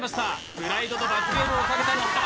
プライドと罰ゲームをかけたゲーム。